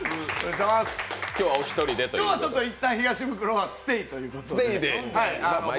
今日はいったん、東ブクロはステイというところで。